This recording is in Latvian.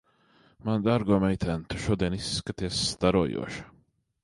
Manu dārgo meitēn, tu šodien izskaties starojoša.